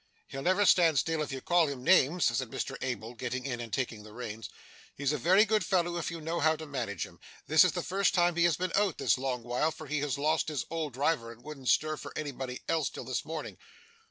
'He'll never stand still, if you call him names,' said Mr Abel, getting in, and taking the reins. 'He's a very good fellow if you know how to manage him. This is the first time he has been out, this long while, for he has lost his old driver and wouldn't stir for anybody else, till this morning.